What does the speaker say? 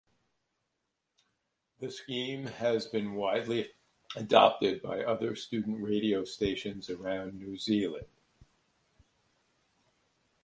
The scheme has been widely adopted by other student radio stations around New Zealand.